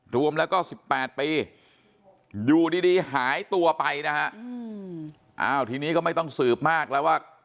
รวมแล้วก็๑๘ปีอยู่ดีหายตัวไปนะฮะอ้าวทีนี้ก็ไม่ต้องสืบมากแล้วว่า